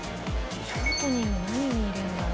ショートニング何に入れるんだろう？